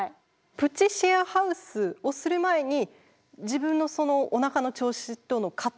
プチシェアハウスをする前に自分のそのおなかの調子との葛藤はなかったですか？